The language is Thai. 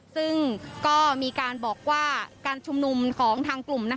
ซึ่งก็มีการบอกว่าการชุมนุมของทางกลุ่ม